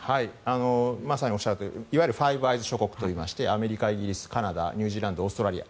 まさにおっしゃるとおりファイブアイズ諸国というアメリカ、イギリス、カナダニュージーランドオーストラリア